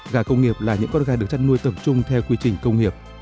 gà công nghiệp là những con gà được chăn nuôi tầm trung theo quy trình công nghiệp